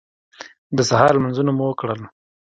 د سهار لمونځونه مو وکړل.